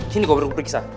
sini gua beri periksa